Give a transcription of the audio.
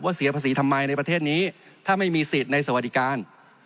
เสียภาษีทำไมในประเทศนี้ถ้าไม่มีสิทธิ์ในสวัสดิการ